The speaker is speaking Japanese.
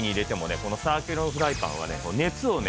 このサーキュロンフライパンはね熱をね